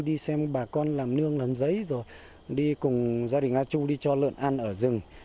đi xem bà con làm nương làm giấy rồi đi cùng gia đình a chu đi cho lợn ăn ở rừng